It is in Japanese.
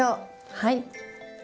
はい。